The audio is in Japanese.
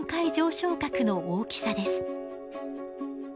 床核の大きさです。